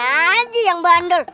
kan aja yang bandel